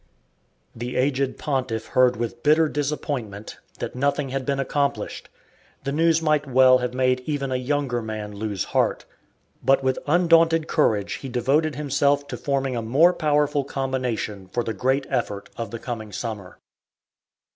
The aged pontiff heard with bitter disappointment that nothing had been accomplished. The news might well have made even a younger man lose heart. But with undaunted courage he devoted himself to forming a more powerful combination for the great effort of the coming summer.